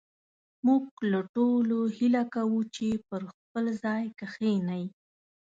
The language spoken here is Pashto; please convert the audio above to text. موږ له ټولو هيله کوو چې پر خپل ځاى کښېنئ